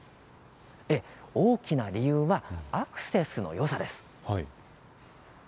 大きな理由はアクセスのよさです。